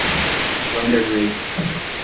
Wanderley